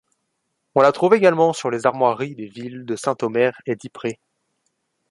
On la trouve également sur les armoiries des villes de Saint-Omer et d'Ypres.